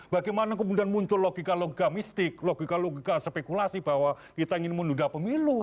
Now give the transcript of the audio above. bagaimana kemudian muncul logika logika mistik logika logika spekulasi bahwa kita ingin menunda pemilu